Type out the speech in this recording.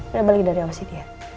udah balik dari oc dia